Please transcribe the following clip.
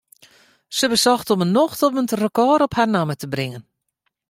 Hja besocht om 'e nocht om it rekôr op har namme te bringen.